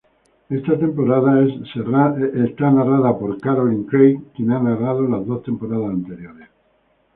Esta temporada es narrada por Caroline Craig, quien ha narrado las dos temporadas anteriores.